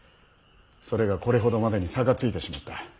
それがこれほどまでに差がついてしまった。